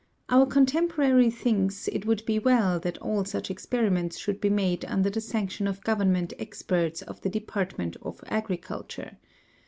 Our contemporary thinks it would be well that all such experiments should be made under the sanction of government experts of the Department or Agriculture.